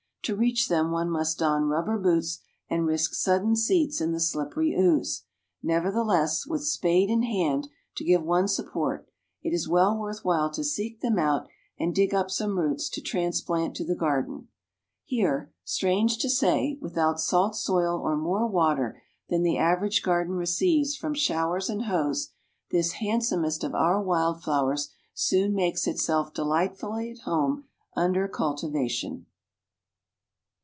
To reach them one must don rubber boots and risk sudden seats in the slippery ooze; nevertheless, with spade in hand to give one support, it is well worth while to seek them out and dig up some roots to transplant to the garden. Here, strange to say, without salt soil or more water than the average garden receives from showers and hose, this handsomest of our wild flowers soon makes itself delightfully at home under cultivation."